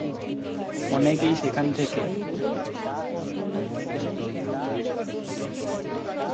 অনেকেই সেখানে থেকে গিয়ে তৎকালীন ব্রিটিশ উপনিবেশে তাদের ঐতিহ্য বহন করে চলেছে।